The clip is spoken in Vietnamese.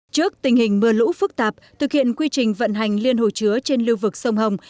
trước tình hình mưa lũ phức tạp thực hiện quy trình vận hành liên hồ chứa trên lưu vực sông hồng